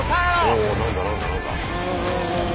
おお何だ何だ何だ？